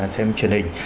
xem truyền hình